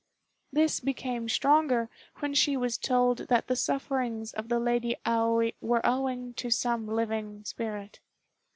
This became stronger when she was told that the sufferings of the Lady Aoi were owing to some living spirit.